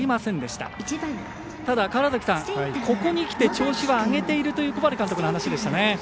ただ、川原崎さん、ここにきて調子は上げているという小針監督の話でしたね。